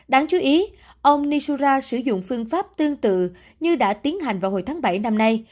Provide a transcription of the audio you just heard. đáng chú ý ông nisura sử dụng phương pháp tương tự như đã tiến hành vào hồi tháng bảy năm nay